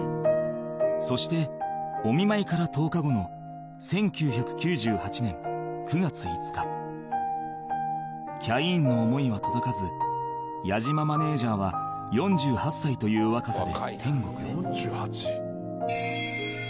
そしてお見舞いから１０日後の１９９８年９月５日キャインの思いは届かず矢島マネジャーは４８歳という若さで天国へ